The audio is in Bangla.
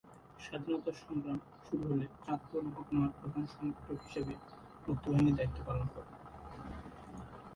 স্বাধীনতা সংগ্রাম শুরু হলে চাঁদপুর মহকুমার প্রধান সংগঠক হিসেবে মুক্তিবাহিনীর দায়িত্ব পালন করেন।